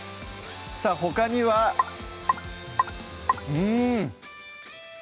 さぁほかにはうん！